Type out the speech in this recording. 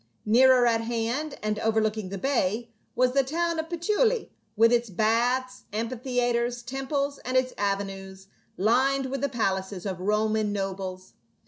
Nearer at hand, and overlook ing the bay, was the town of Puteoli with its baths, amphitheatres, temples, and its avenues lined with the palaces of Roman nobles.